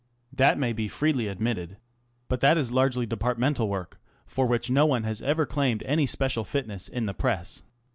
That may be freely admitted. But that is largely departmental work, for which no one has ever claimed any special fitness in the Press.